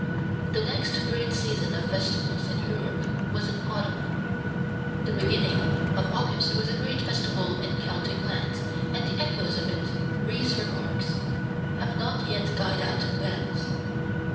The next great season of festivals in Europe was in autumn. The beginning of August was a great festival in Celtic lands, and the echoes of it, Rhys remarks, have not yet died out in Wales.